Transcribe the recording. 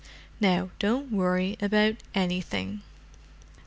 "Now don't worry about anything."